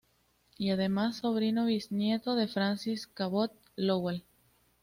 Y además sobrino bisnieto de Francis Cabot Lowell.